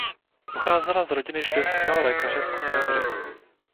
Pocházela z rodiny židovského lékaře z Kutné Hory.